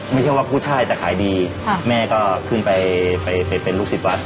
ไม่ใช่ว่ากุ้ยช่ายจะขายดีแม่ก็ขึ้นไปไปเป็นลูกศิษย์วัด